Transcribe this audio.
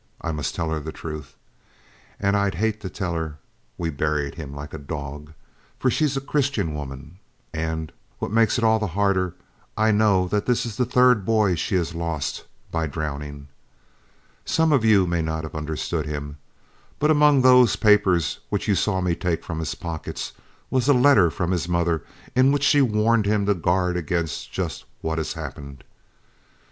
I must tell her the truth, and I'd hate to tell her we buried him like a dog, for she's a Christian woman. And what makes it all the harder, I know that this is the third boy she has lost by drowning. Some of you may not have understood him, but among those papers which you saw me take from his pockets was a letter from his mother, in which she warned him to guard against just what has happened.